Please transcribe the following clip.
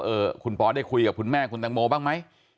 เออคุณปอได้คุยกับคุณแม่คุณตังโมบ้างไหม